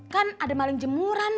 kan ada maling jemuran